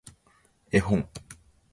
絵本